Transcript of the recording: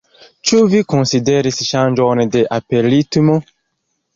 Ĉu vi konsideris ŝanĝon de aperritmo?